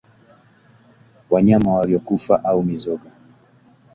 Wanyama waliokufa au Mizoga